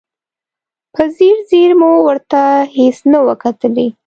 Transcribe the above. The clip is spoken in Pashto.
په ځیر ځیر مو ورته هېڅ نه و کتلي.